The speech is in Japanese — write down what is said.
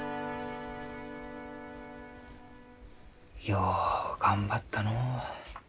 よう頑張ったのう。